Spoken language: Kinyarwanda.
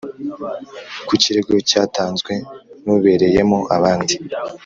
Ku kirego cyatanzwe n ubereyemo abandi